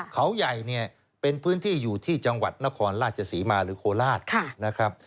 เขาใหญ่เนี่ยเป็นพื้นที่อยู่ที่จังหวัดนครราชศรีมาหรือโคราชนะครับ